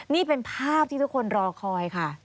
นี่เป็นภาพที่ทุกคนรอคอยค่ะ